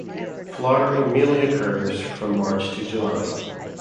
Flowering mainly occurs from March to July.